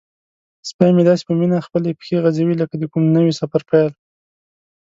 سپی مې داسې په مینه خپلې پښې غځوي لکه د کوم نوي سفر پیل.